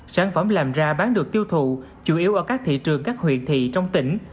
sản phẩm làm ra bán được tiêu thụ chủ yếu ở các thị trường các huyện thị trong tỉnh